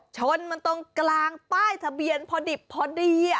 ชนมันตรงกลางป้ายทะเบียนพอดิบพอดี